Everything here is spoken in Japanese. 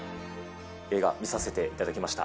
映画、見させていただきました。